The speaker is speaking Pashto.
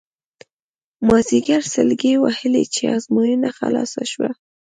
مازیګر سلګۍ وهلې چې ازموینه خلاصه شوه.